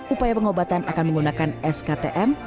upaya pengobatan akan menggunakan sktm